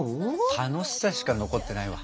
楽しさしか残ってないわ。